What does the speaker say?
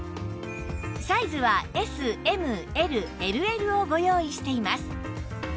サイズは ＳＭＬＬＬ をご用意しています